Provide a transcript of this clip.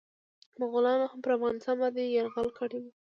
مغولانو هم پرافغانستان باندي يرغل کړی و.